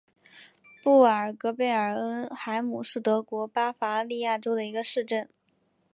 布尔格贝尔恩海姆是德国巴伐利亚州的一个市镇。